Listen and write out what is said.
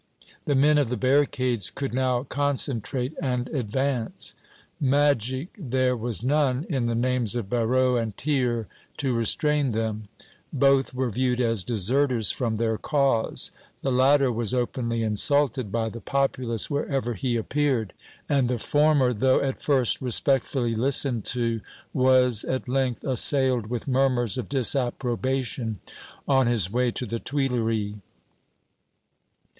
The men of the barricades could now concentrate and advance. Magic there was none in the names of Barrot and Thiers to restrain them. Both were viewed as deserters from their cause. The latter was openly insulted by the populace wherever he appeared, and the former, though at first respectfully listened to, was, at length, assailed with murmurs of disapprobation on his way to the Tuileries.